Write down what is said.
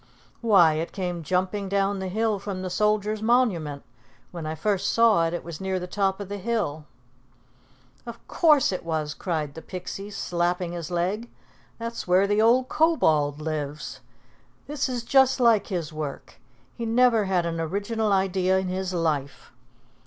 "Why, it came jumping down the hill from the Soldiers' Monument. When I first saw it, it was near the top of the hill." "Of course it was!" cried the Pixie, slapping his leg. "That's where the old Kobold lives. This is just like his work. He never had an original idea in his life."